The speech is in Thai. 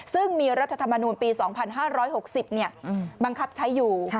ซึ่งมีรัฐธรรมนูลปี๒๕๖๐บังคับใช้อยู่